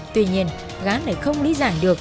tuy nhiên gán này không lý giải được